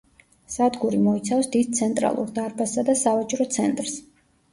სადგური მოიცავს დიდ ცენტრალურ დარბაზსა და სავაჭრო ცენტრს.